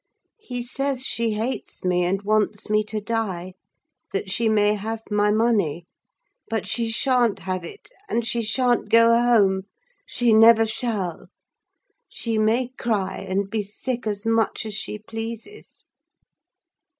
He says she hates me and wants me to die, that she may have my money; but she shan't have it: and she shan't go home! She never shall!—she may cry, and be sick as much as she pleases!"